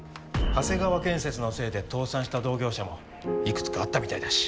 長谷川建設のせいで倒産した同業者もいくつかあったみたいだし。